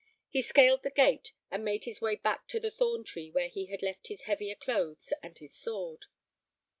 He scaled the gate, and made his way back to the thorn tree where he had left his heavier clothes and his sword.